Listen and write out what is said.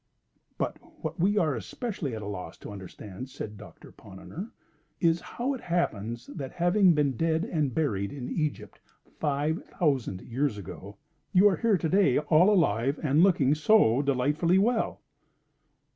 "But what we are especially at a loss to understand," said Doctor Ponnonner, "is how it happens that, having been dead and buried in Egypt five thousand years ago, you are here to day all alive and looking so delightfully well."